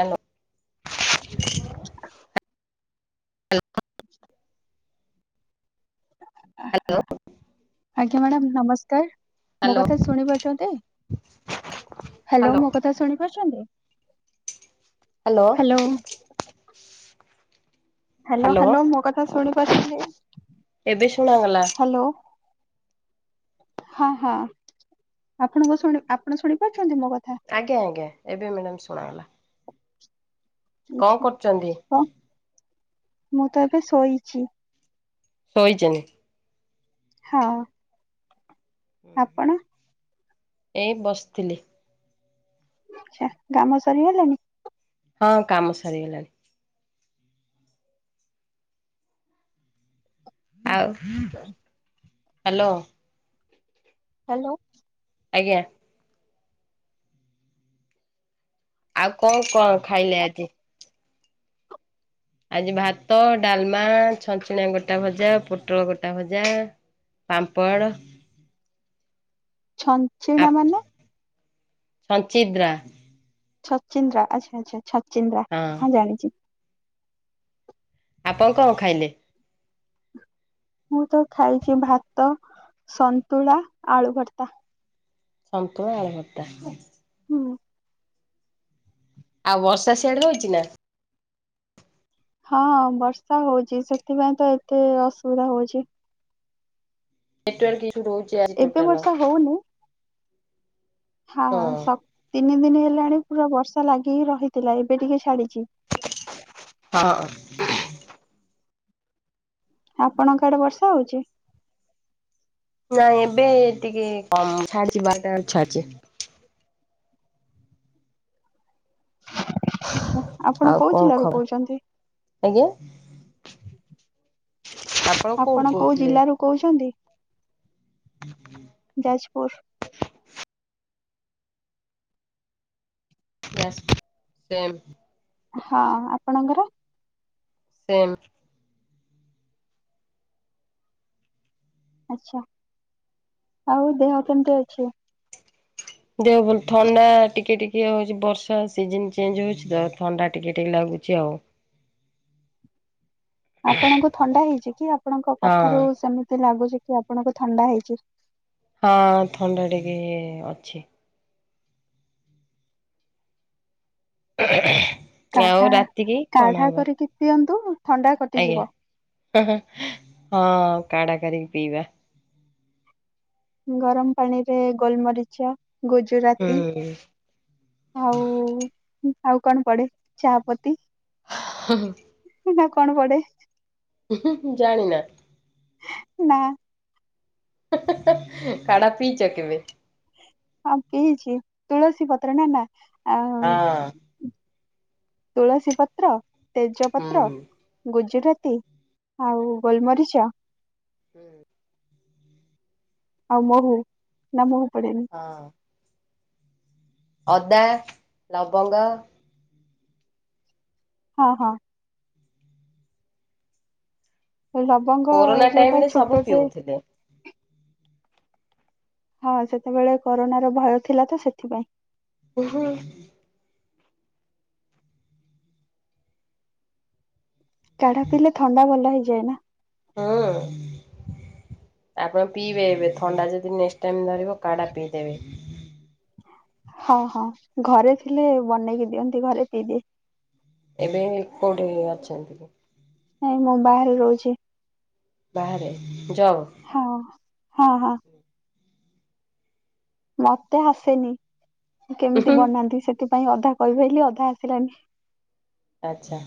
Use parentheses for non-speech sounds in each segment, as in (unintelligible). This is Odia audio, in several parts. ହାଲୋ। (inaudible) (inaudible) ହାଲୋ। ଆଜ୍ଞା ମ୍ୟାଡ଼ାମ ନମସ୍କାର ମୋ ହ୍ୟାଲୋ କଥା ଶୁଣି ପାରୁଛନ୍ତି। ହାଲୋ ହ୍ୟାଲୋ ମୋ କଥା ଶୁଣିପାରୁଛନ୍ତି। Hello hello. Hello hello hello ମୋ କଥା ଶୁଣିପାରୁଛନ୍ତି। ଏବେ ଶୁଣାଗଲା। ହାଲୋ। ହଁ ହଁ ଆପଣଙ୍କ ଶୁଣି ଆପଣ ଶୁଣିପାରୁଛନ୍ତି ମୋ କଥା। ଆଜ୍ଞା ଆଜ୍ଞା ଏବେ ମ୍ୟାଡ଼ାମ ଶୁଣାଗଲା। କଣ ଛା କରୁଛନ୍ତି ହଁ ମୁଁ ତ ଏବେ ଶୋଇଛି। ଶୋଇଛନ୍ତି। ହଁ। ଆପଣ। ଏ ବସଥିଲି। ଆଛା କାମ ସରିଗଲାଣି। ହଁ କାମ ସରିଗଲାଣି। ଆଉ ହାଲୋ। ହାଲୋ। ଆଜ୍ଞା। ଆଉ କଣ କଣ ଖାଇଲେ ଆଜି? ଆଜି ଭାତ, ଡାଲମା, ଛଞ୍ଚିଣା ଗୋଟା ଭଜା, ପୋଟଳ ଗୋଟା ଭଜା ପାମ୍ପଡ଼। ଛଞ୍ଚିଣା ମାନେ? ଛଞ୍ଚିଦ୍ରା। ଛଚିନ୍ଦ୍ରା ଆଚ୍ଛା ଆଚ୍ଛା ଛଚିନ୍ଦ୍ରା ହଁ ଜାଣିଛି। ଆପଣ କଣ ଖାଇଲେ? ମୁଁ ତ ଖାଇଛି ଭାତ ସନ୍ତୁଳା ଆଳୁ ଭର୍ତା। ସନ୍ତୁଲା ଆଳୁଭର୍ତ୍ତା। ହୁଁ। ଆଉ ବର୍ଷା ସେଆଡେ ହଉଛି ନା? ହଁ ବର୍ଷା ହୋଉଛି ସେଥିପାଇଁ ତ ଏତେ ଅସୁବିଧା ହୋଉଛି। ନେଟ୍‌ୱାର୍କ ଇସୁ ରହୁଛି। ଆଜି ଏବେ ଟୋଟାଲ ବର୍ଷା ହୋଉନି। ହଁ ସ ତିନି ଦିନି ହେଲାଣି ପୁରା ବର୍ଷା ଲାଗିି ରହିଥିଲା ଏବେ ଟିକେ ଛାଡିଛି। ହଁ। ଆପଣଙ୍କ ଆଡେ ବର୍ଷା ହୋଉଛି? ନାଇଁ ଏବେ ଟିକେ କମ୍ ଛାଡିଛି ବାରଟା ବେଳୁ ଛାଡ଼ିଛି। ଆଛା ଆପଣ ଆଉ କୋଉ କଣ ଜିଲ୍ଲାରୁ ଖବର କହୁଛନ୍ତି? ଆଜ୍ଞା? ଆପଣ କୋଉଠୁ କୋଉ କହୁଥିଲେ? ଜିଲ୍ଲାରୁ କହୁଛନ୍ତି? ଉଁ ହୁଁ। ଯାଜପୁର। ବାସ ସେମ୍। ହଁ ଆପଣଙ୍କର? ସେମ୍। ଆଛା ଆଉ ଦେହ କେମିତି ଅଛି? ଦେହ ଭଲ ଥଣ୍ଡା ଟିକେ ଟିକେ ହଉଛି ବର୍ଷା ସିଜିନି ଚେଞ୍ଜ ହୋଉଛି ତ ଥଣ୍ଡା ଟିକେ ଟିକେ ଲାଗୁଛି ଆଉ। ଆପଣଙ୍କୁ ଥଣ୍ଡା ହେଇଛି କି ଆପଣଙ୍କ ହଁ କଥାରୁ ସେମିତି ଲାଗୁଛି କି ଆପଣଙ୍କୁ ଥଣ୍ଡା ହେଇଛି। ହଁ ଥଣ୍ଡା ଟିକେ ଅଛି। ଆଉ ରାତିକି କଣ କାଢା-କାଢା ହବ? କରିକି ପିଅନ୍ତୁ ଥଣ୍ଡା ଆଜ୍ଞା କଟିଯିବ। ହଁ-ହଁ-ହଁ କାଢା କରିକି ପିଇବା। ଗରମ ପାଣିରେ ଗୋଲମରିଚ, ଗୁଜୁରାତି ହୁଁ ଆଉ-ଆଉ କଣ ପଡେ ଚାହା ପତି। ହଁ-ହଁ। ନା କଣ ପଡେ? ଉଁ-ହୁଁ-ହୁଁ ଜାଣିିନା? ନା। କାଢା ପିଇଚ କେବେ? ହଁ ପିଇଚି ତୁଳସୀ ପତ୍ର ନା-ନା-ଆ ହଁ ତୁଳସୀ ପତ୍ର, ତେଜ ପତ୍ର। ହୁଁ ଗୁଜୁରାତି ଆଉ ଗୋଲମରିଚ। ହୁଁ। ଆଉ ମହୁ ନା ମହୁ ପଡେନି? ହଁ। ଅଦା, ଲବଙ୍ଗ। ହଁ-ହଁ। ଲବଙ୍ଗ କୋରୋନା ଟାଇମ ଯୋଉଟା ରେ ସବୁ ଛୋଟଟେ। ପିଉଥିଲେ। ହଁ ସେତେବେଳେ କରୋନାର ଭୟ ଥିଲା ତ ସେଥିପାଇଁ। ଉହୁଁ। କାଢ଼ା ପିଇଲେ ଥଣ୍ଡା ଭଲ ହେଇଯାଏ ନା? ହଁ। ଆପଣ ପିଇବେ ଏବେ, ଥଣ୍ଡା ଯଦି ନେକ୍ସଟ୍ ଟାଇମ୍ ଧରିବ କାଢ଼ା ପିଇଦେବେ। ହଁ-ହଁ ଘରେ ଥିଲେ ବନେଇକି ଦିଅନ୍ତି ଘରେ ପିଇ ଦିଏ। ଏବେ କୋଉଠି ଅଛନ୍ତି? ନାଇଁ ମୁଁ ବାହାରେ ରହୁଚି। ବାହାରେ ଜବ୍ ହଁ-ହଁ-ହଁ। ମତେ ଆସେନି କେମିତି ଉହୁଁ ବନାନ୍ତି, ସେଥିପାଇଁ ଅଧା କହିପାଇଲି ଅଧା ଆସିଲାନି। ଆଚ୍ଛା।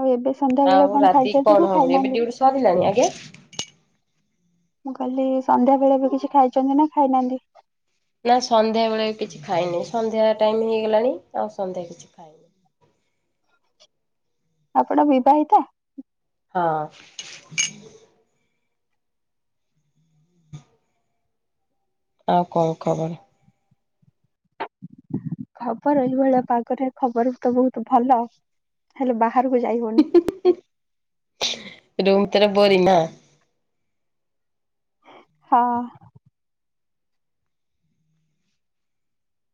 ଆଉ ଏବେ ସନ୍ଧ୍ୟାବେଳେ ଆଉ କଣ ରାତି ଖାଇଛନ୍ତି କଣ ନା ହବ ଏବେ ଖାଇନାହାନ୍ତି? ଡ୍ୟୁଟି ସରିଲାଣି ଆଜ୍ଞା? ମୁଁ କହିଲି ସନ୍ଧ୍ୟାବେଳେ ଏବେ କିଛି ଖାଇଛନ୍ତି ନା ଖାଇନାହାନ୍ତି? ନା ସନ୍ଧ୍ୟାବେଳେ କିଛି ଖାଇନି ସନ୍ଧ୍ୟା ଟାଇମ୍ ହେଇଗଲାଣି ଆଉ ସନ୍ଧ୍ୟା କିଛି ଖାଇନି। ଆପଣ ବିବାହିତା? ହଁ। ଆଉ କଣ ଖବର? ଖବର ଏଇଭଳିଆ ପାଗରେ ଖବର ତ ବହୁତ ଭଲ, ହେଲେ ବାହାରକୁ ଯାଇହଉନି। ହୁଁ-ହୁଁ-ହୁଁ ରୁମ୍ ଭିତରେ ବୋରିଂ ନା? ହଁ।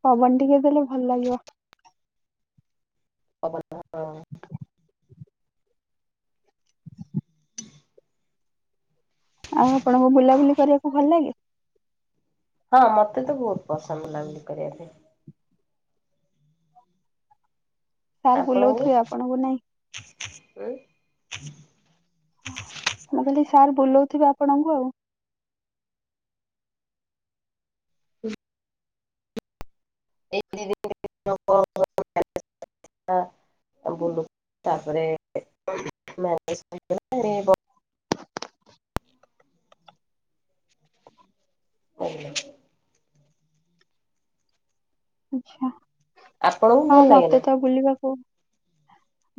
ପବନ୍ ଟିକେ ଦେଲେ ଭଲ୍ ଲାଗିବ। (inaudible) ଆଉ ଆପଣଙ୍କୁ ବୁଲାବୁଲି କରିବାକୁ ଭଲ ଲାଗେ? ହଁ ମତେ ତ ବହୁତ୍ ପସନ୍ଦ ବୁଲାବୁଲି କରିବା ପାଇଁ। ସାର୍ ଆପଣଙ୍କୁ? ବୁଲଉଥିବେ ଆପଣଙ୍କୁ ନାଇଁ? (inaudible) ମୁଁ କହିଲି ସାର୍ ବୁଲଉଥିବେ ଆପଣଙ୍କୁ ଆଉ? (inaudible) ତା ବୁଲୁ ତାପରେ ମ୍ୟାରେଜ୍ (unintelligible) (inaudible) ଆଚ୍ଛା ଆପଣଙ୍କୁ ହଁ ଭଲ ଲାଗେ ନା? ମତେ ତ ବୁଲିବାକୁ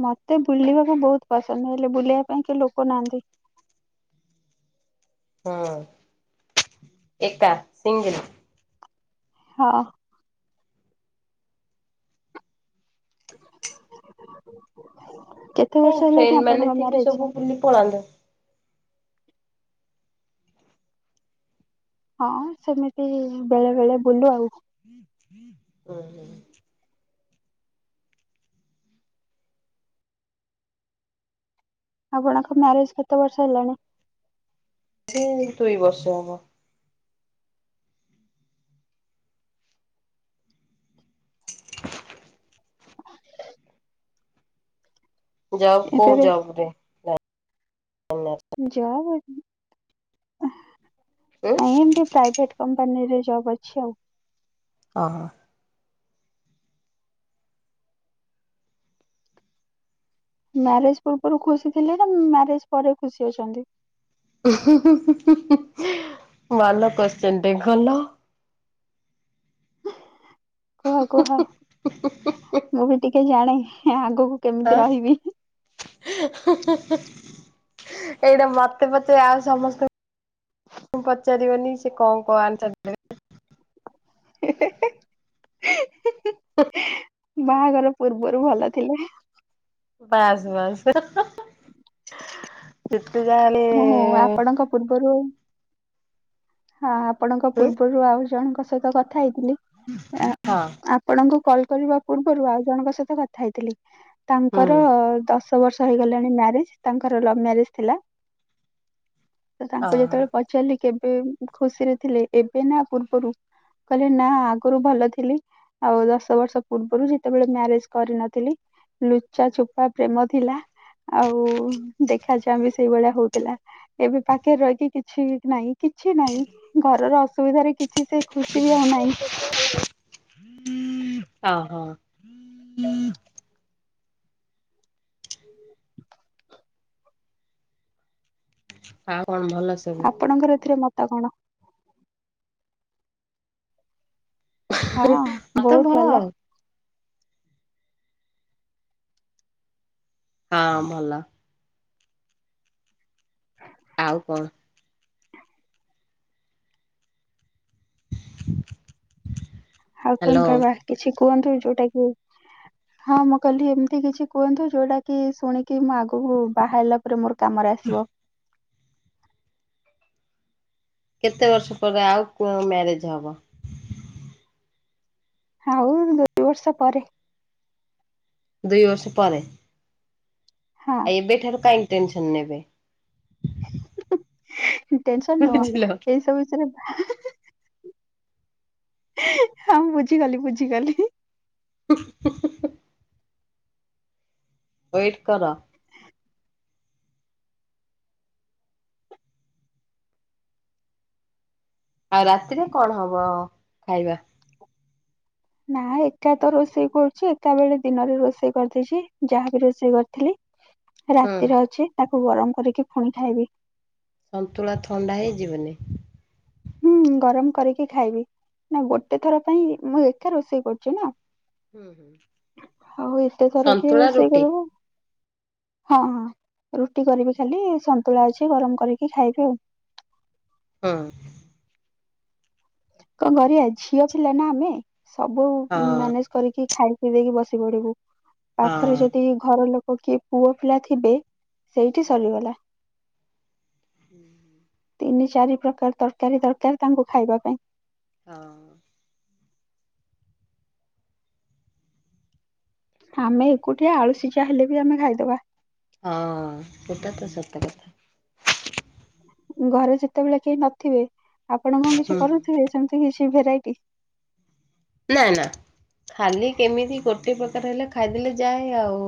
ମତେ ବୁଲିବାକୁ ବହୁତ ପସନ୍ଦ ହେଲେ ବୁଲିବା ପାଇଁ କି ଲୋକ ନାହାନ୍ତି। ହଁ ଏକା ସିଙ୍ଗିଲ? ହଁ କେତେ ବର୍ଷ ସେଇ ହେଲାଣି ଫ୍ରେଣ୍ଡ ମାନେ ଆପଣଙ୍କ ସେ ବି ମ୍ୟାରେଜ? ସବୁ ବୁଲି ପଳାନ୍ତୁ। ହଁ ସେମିତି ବେଳେ ବେଳେ ବୁଲୁ ଆଉ। ହଁ ହ ଆପଣଙ୍କ ମ୍ୟାରେଜ କେତେ ବର୍ଷ ହେଲାଣି? ସେ ଦୁଇ ବର୍ଷ ହବ। (inaudible) ଯାଉ ଏବେ କୋଉ ବି ଯାଉରେ ଜବ ଆ ନାଇଁ ଏମିତି ପ୍ରାଇଭେଟ କମ୍ପାନୀରେ ଜବ୍ ଅଛି ଆଉ। ହଁ ହ। ମ୍ୟାରେଜ ପୂର୍ବରୁ ଖୁସି ଥିଲେ ନା ମ୍ୟାରେଜ ପରେ ଖୁସି ଅଛନ୍ତି? ଭଲ କୋସଚୀନ ଟେ କଲୁ। କୁହ କୁହ ମୁଁ ବି ଟିକେ ଜାଣେ ଆଗକୁ ହଁ କେମିତି ରହିବି। ଏଇଟା ମତେ ପଚେ ଆଉ ସମସ୍ତଙ୍କୁ ପଚାରିବନି ସେ କଣ କଣ ଆନ୍ସର (inaudible) ହଁ (unintelligible) ବାହାଘର ପୂର୍ବରୁ ଭଲ ଥିଲେ। ବାସ୍ ବାସ୍ ଯେତେ ଯାହେଲେ ଙ୍କ ପୂର୍ବରୁ ହଁ ଆପଣଙ୍କ ପୂର୍ବରୁ ଆଉ ଜଣଙ୍କ ସହିତ କଥା ହେଇଥିଲି ହଁ ଆପଣଙ୍କୁ କଲ କରିବା ପୂର୍ବରୁ ଆଉ ଜଣଙ୍କ ସହିତ କଥା ହେଇଥିଲି ହୁଁ ତାଙ୍କରଶ ବର୍ଷ ହେଇଗଲାଣି ମ୍ୟାରେଜ ତାଙ୍କର ଲଭ ମ୍ୟାରେଜ ଥିଲା ତ ତାଙ୍କୁ ଓହୋ ଯେତେବେଳେ ପଚାରି ଚାଲି କେବେ ଖୁସିରେ ଥିଲେ ଏବେ ନା ପୂର୍ବରୁ କହିଲେ ନା ଆଗରୁ ଭଲ ଥିଲି। ଆଉ ଦଶ ବର୍ଷ ପୂର୍ବରୁ ଯେତେବେଳେ ମ୍ୟାରେଜ କରିନଥିଲି। ଲୁଚାଛୁପା ପ୍ରେମ ଥିଲା ଆଉ ଦେଖ ଦେଖା ଯ ବି ସେଇଭଳିଆ ହଉଥିଲା ଏବେ ପାଖରେ ରହିକି କିଛି ନାହିଁ କି କିଛି ନାହିଁ ଘରର ଅସୁବିଧାରେ କିଛି ସେ ଖୁସି ବି ଆଉ ନାହିଁ। ଓହୋ (unintelligible) ହଉ କଣ ଭଲ ଅ ଆପଣଙ୍କର ଏଥିରେ ମତ କଣ? ହଁ ମତେ ବହୁତ ଭଲ ଆଉ। ହଁ ଭଲ। ଆଉ କଣ? ଆଉ କଣ ହ୍ୟାଲୋ। କହିବା କିଛି କୁହନ୍ତୁ ଯୋଉଟା କି ହଁ ମୁଁ କହିଲି ଏମିତି କିଛି କୁହନ୍ତୁ ଯୋଉଟା କି ଶୁଣିକି ମୁଁ ଆଗକୁ ବାହାରିଲା ପରେ ମୋର କାମରେ ଆସିବ। କେତେ ବର୍ଷ ପରେ ଆଉ ମ୍ୟାରେଜ ହବ? ଆଉ ଦୁଇ ବର୍ଷ ପରେ। ଦୁଇ ବର୍ଷ ପରେ। ହଁ ଆଉ ଏବେଠାରୁ କାଇଁ ଟେନସନ ନେବେ? ଟେନସନ ନୁହଁ ବୁଝିଲ। ଏଇ ସବୁ ବିଷୟରେ ହଁ ବୁଝିଗଲି ବୁଝିଗଲି। (inaudible) ୱେଟ କର। ଆଉ ରାତିରେ କଣ ହବ ଖାଇବା? ନା ଏକା ତ ରୋଷେଇ କରୁଛି ଏକା ବେଳେ ଦିନରେ ରୋଷେଇ କରିଦେଇଚି ଯାହାବି ରୋଷେଇ କରିଥିଲି ହୁଁ ରାତିରେ ଅଛି ତାକୁ ଗରମ କରିକି ପୁଣି ଖାଇବି। ସନ୍ତୁଳା ଥଣ୍ଡା ହେଇଯିବନି? ହୁଁ ଗରମ କରିକି ଖାଇବି। ନା ଗୋଟେ ଥର ପାଇଁ ମୁଁ ଏକା ରୋଷେଇ କରୁଛି ନା। ହୁଁ ହୁଁ ଆଉ ଏତେ ଥର କିଏ ସନ୍ତୁଳା ରୋଷେଇ ରୁଟି କରିବ। ହଁ ହଁ ରୁଟି କରିବି ଖାଲି ସନ୍ତୁଳା ଅଛି ଗରମ କରିକି ଖାଇବି ଆଉ। ହଁ। କଣ କରିବା ଝିଅ ପିଲା ନା ଆମେ ସବୁ ହଁ ମେନେଜ କରିକି ଖାଇ ପିଇ ଦେଇକି ବସି ପଡିବୁ। ପାଖରେ ହଁ। ଯଦି ଘର ଲୋକ କିଏ ପୁଅ ପିଲା ଥିବେ ସେଇଠି ହଁ ସରିଗଲା। (inaudible) ତିନି ଚାରି ପ୍ରକାର ତରକାରୀ ଦରକାର ତାଙ୍କୁ ଖାଇବା ପାଇଁ। ହଁ। ଆମେ ଏକୁଟିଆ ଆଳୁସିଜା ହେଲେ ବି ଆମେ ଖାଇଦବା। ହଁ ସେଟା ତ ସତ କଥା। ଘରେ ଯେତେବେଳେ କେହି ନଥିବେ ଆପଣ କଣ କିଛି ହୁଁ। କରୁଥିବେ ସେମିତି କିଛି ଭେରାଇଟି? ନା ନା ଖାଲି କେମିତି ଗୋଟେ ପ୍ରକାର ହେଲେ ଖାଇଦେଲେ ଯାଏ ଆଉ।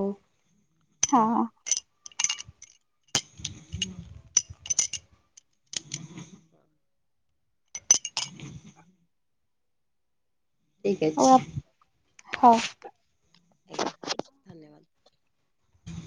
ହଁ। ଠିକ ଆଉ ଅଛି। ଆପ- ହଉ। ଆଜ୍ଞା ଧନ୍ୟବାଦ।